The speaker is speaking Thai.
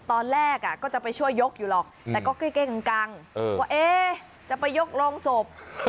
ตอนแรกก็จะไปช่วยยกอยู่หรอกแต่ก็เก้งกังว่าจะไปยกโรงศพ